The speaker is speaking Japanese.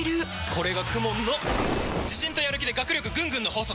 これがＫＵＭＯＮの自信とやる気で学力ぐんぐんの法則！